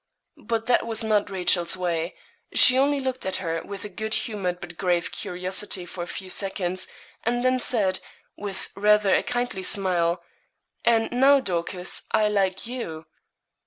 But that was not Rachel's way; she only looked at her with a good humoured but grave curiosity for a few seconds, and then said, with rather a kindly smile 'And now, Dorcas, I like you.'